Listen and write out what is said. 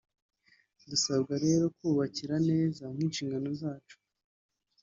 dusabwa rero kubakira neza nk’inshingano zacu